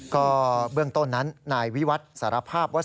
ก็เบื้องต้นนั้นนายวิวัตรสารภาพว่า